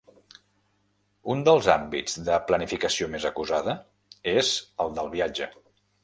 Un dels àmbits de planificació més acusada és el del viatge.